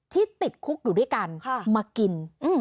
ติดคุกอยู่ด้วยกันมากิน